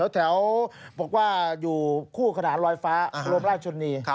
แถวบอกว่าอยู่คู่ขนานลอยฟ้ารมราชชนนี